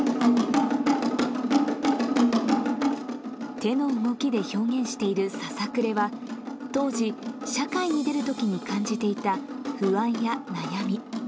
手の動きで表現しているささくれは、当時、社会に出るときに感じていた、不安や悩み。